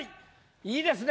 いいですね